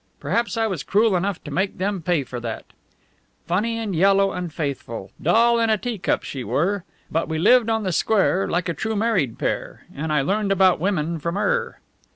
Perhaps I was cruel enough to make them pay for that. "'Funny an' yellow an' faithful Doll in a teacup she were, But we lived on the square, like a true married pair, An' I learned about women from 'er!'